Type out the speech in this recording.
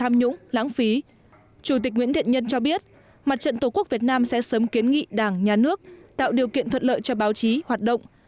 mặt trận tổ quốc việt nam sẽ sớm kiến nghị đảng nhà nước tạo điều kiện thuật lợi cho báo chí hoạt động